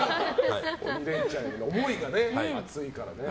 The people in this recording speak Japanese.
「鬼レンチャン」への思いが熱いからね。